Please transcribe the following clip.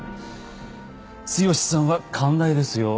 剛さんは寛大ですよ。